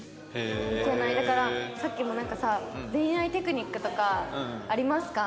だからさっきもなんかさ恋愛テクニックとかありますか？